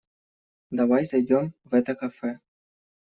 Давай зайдём в это кафе.